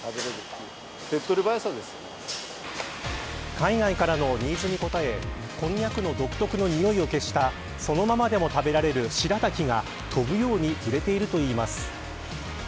海外からのニーズに応えこんにゃくの独特のにおいを消した、そのままでも食べられるしらたきが飛ぶように売れているといいます。